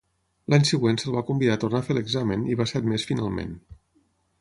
L'any següent se'l va convidar a tornar a fer l'examen i va ser admès finalment.